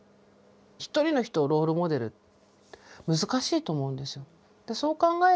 一人の人をロールモデル難しいと思うんですよ。